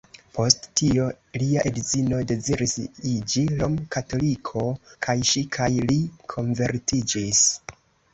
Post tio lia edzino deziris iĝi rom-katoliko, kaj ŝi kaj li konvertiĝis.